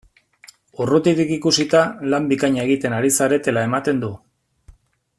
Urrutitik ikusita, lan bikaina egiten ari zaretela ematen du!